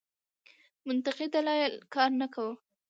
منطقي دلایل کار نه کاوه.